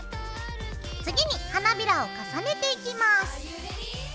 次に花びらを重ねていきます。